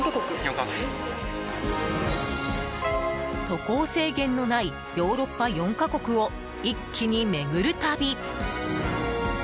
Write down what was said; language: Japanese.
渡航制限のないヨーロッパ４か国を一気に巡る旅。